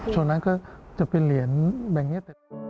ช่วงนั้นก็จะเป็นเหรียญแบบนี้